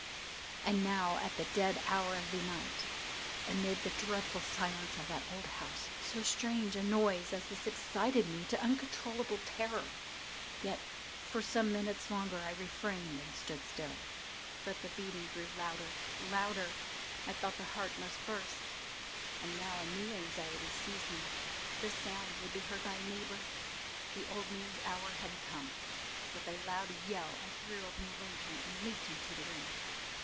And now at the dead hour of the night, amid the dreadful silence of that old house, so strange a noise as this excited me to uncontrollable terror. Yet, for some minutes longer I refrained and stood still. But the beating grew louder, louder! I thought the heart must burst. And now a new anxiety seized me—the sound would be heard by a neighbour! The old man's hour had come! With a loud yell, I threw open the lantern and leaped into the room.